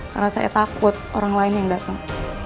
karena saya takut orang lain yang datang